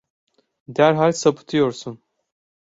Derhal sapıtıyorsun.